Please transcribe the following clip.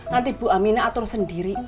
nanti bu amina atur sendiri